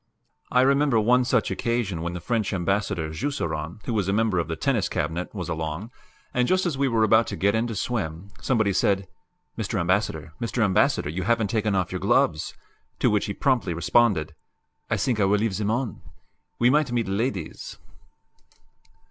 I remember one such occasion when the French Ambassador, Jusserand, who was a member of the Tennis Cabinet, was along, and, just as we were about to get in to swim, somebody said, "Mr. Ambassador, Mr. Ambassador, you haven't taken off your gloves," to which he promptly responded, "I think I will leave them on; we might meet ladies!"